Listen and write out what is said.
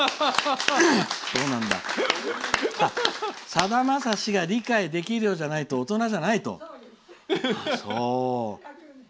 さだまさしが理解できるようじゃないと大人じゃないと。